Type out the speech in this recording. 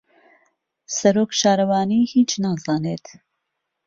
سەرۆک شارەوانی هیچ نازانێت.